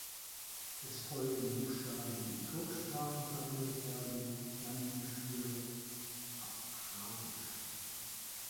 Es folgen Buchstaben, die in Turksprachen verwendet werden, dann die für Abchasisch.